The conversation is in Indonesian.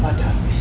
bapak ada habis